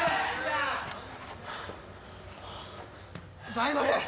大丸！